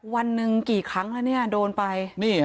วันหนึ่งกี่ครั้งแล้วเนี่ยโดนไป